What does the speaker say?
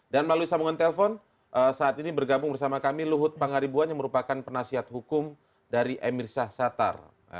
dan melalui sambungan telepon saat ini bergabung bersama kami luhut pangaribuan yang merupakan penasihat hukum dari emir shah sattar